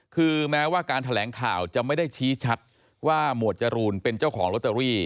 คือแม้ว่าการแถลงข่าวจะไม่ได้ชี้ชัดว่าหมวดจรูนเป็นเจ้าของลอตเตอรี่